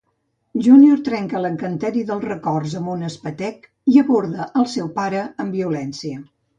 Junior trenca l'encanteri dels records amb un espetec i aborda al seu pare amb violència.